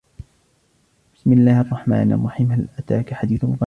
بسم الله الرحمن الرحيم هل أتاك حديث الغاشية